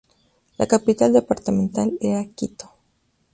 La capital departamental era Quito.